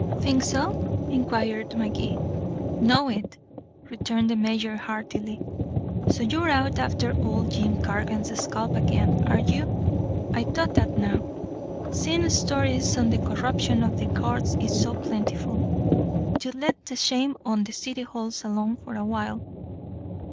"Think so?" inquired Magee. "Know it," returned the mayor heartily. "So you're out after old Jim Cargan's scalp again, are you? I thought that now, seeing stories on the corruption of the courts is so plentiful, you'd let the shame of the city halls alone for a while.